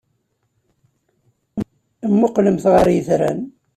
Mmuqqlemt ɣer yitran.